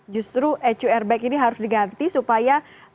justru ecu airbag ini harus diganti supaya